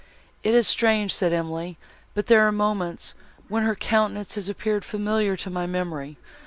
"It is strange," said Emily, "but there are moments, when her countenance has appeared familiar to my memory!